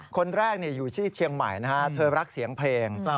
คนแรกอยู่ที่เชียงใหม่นะฮะเธอรักเสียงเพลง